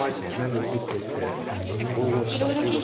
で受けて５五飛車９五飛車。